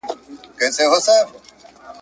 هره ګیله دي منم ګرانه پر ما ښه لګیږي `